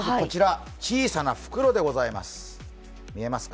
小さな袋でございます。